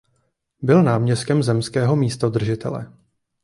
Byl náměstkem zemského místodržitele.